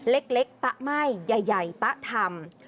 เล็กตะไหม้ใหญ่ตะทำ